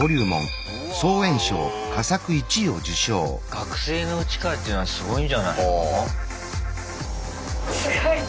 学生のうちからっていうのはすごいんじゃないの？